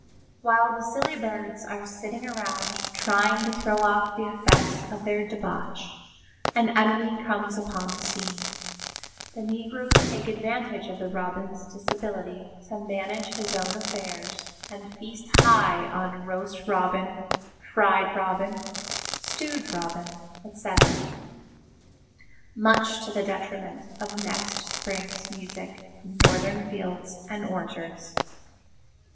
While the silly birds are sitting around trying to throw off the effects of their debauch an enemy comes upon the scene. The negroes take advantage of the robin's disability to manage his own affairs and feast high on roast robin, fried robin, stewed robin, etc., much to the detriment of next spring's music in Northern fields and orchards.